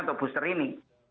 untuk booster ini